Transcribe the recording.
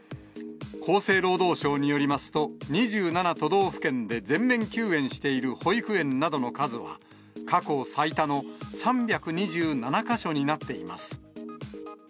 厚生労働省によりますと、２７都道府県で全面休園している保育園などの数は、過去最多の３２７か所になっています。